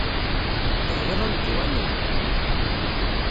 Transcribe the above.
Tebɣiḍ ad neddu ad nɛum?